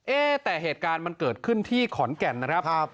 เอ๊ะแต่เหตุการณ์มันเกิดขึ้นที่ขอนแก่นนะครับ